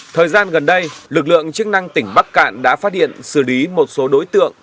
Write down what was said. thời gian gần đây lực lượng chức năng tỉnh bắc cạn đã phát điện xử lý một số đối tượng